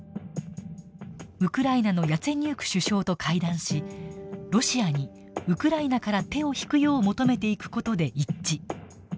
ウクライナのヤツェニューク首相と会談しロシアにウクライナから手を引くよう求めていく事で一致。